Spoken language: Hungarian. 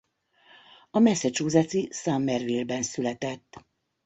A massachusettsi Somerville-ben született.